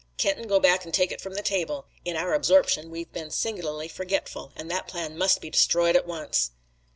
"Kenton, go back and take it from the table. In our absorption we've been singularly forgetful, and that plan must be destroyed at once."